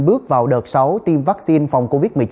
bước vào đợt sáu tiêm vaccine phòng covid một mươi chín